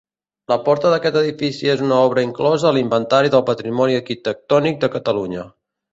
La porta d'aquest edifici és una obra inclosa a l'Inventari del Patrimoni Arquitectònic de Catalunya.